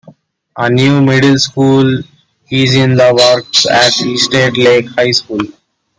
A new middle school is in the works at East Lake High School.